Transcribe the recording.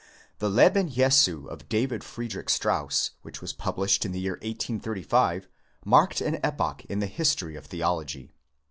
D, Tue Leben Jesu of David Friedrich Strauss, which was published in the year 1835, marked an epoch in the history of theology.